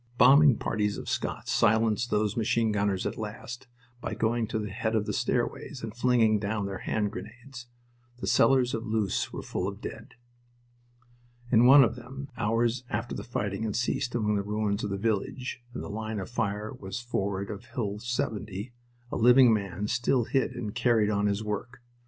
Bombing parties of Scots silenced those machine gunners at last by going to the head of the stairways and flinging down their hand grenades. The cellars of Loos were full of dead. In one of them, hours after the fighting had ceased among the ruins of the village, and the line of fire was forward of Hill 70, a living man still hid and carried on his work.